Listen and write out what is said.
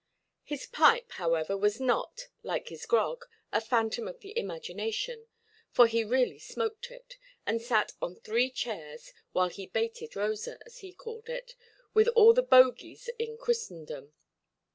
His pipe, however, was not, like his grog, a phantom of the imagination; for he really smoked it, and sat on three chairs, while he "baited" Rosa, as he called it, with all the bogeys in Christendom.